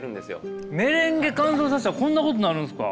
メレンゲ乾燥させたらこんなことになるんですか。